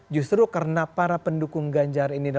justru karena para pendukung ganjar ini